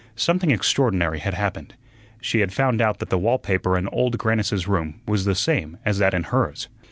Something extraordinary had happened. She had found out that the wall paper in Old Grannis's room was the same as that in hers.